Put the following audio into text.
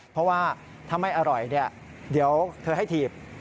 เพราะว่าถ้าไม่อร่อยเดี๋ยวเธอให้ถีบ